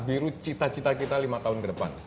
biru cita cita kita lima tahun ke depan